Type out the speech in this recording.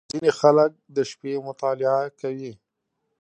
• ځینې خلک د شپې مطالعه کوي.